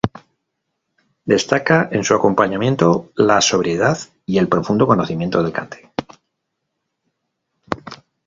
Destaca en su acompañamiento la sobriedad y el profundo conocimiento del cante.